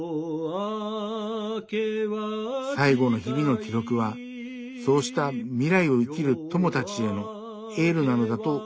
最期の日々の記録はそうした未来を生きる「友たち」へのエールなのだと思ったのです。